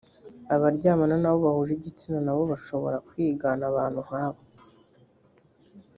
abaryamana n abo bahuje igitsina na bo bashobora kwigana abantu nk abo